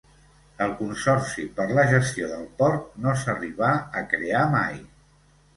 El consorci per la gestió del port no s'arribà a crear mai.